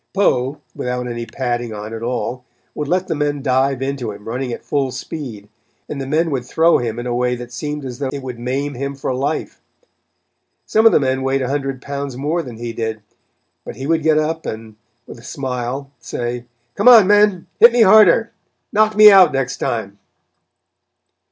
Poe, without any padding on at all, would let the men dive into him running at full speed, and the men would throw him in a way that seemed as though it would maim him for life. Some of the men weighed a hundred pounds more than he did, but he would get up and, with a smile, say: "Come on men, hit me harder; knock me out next time."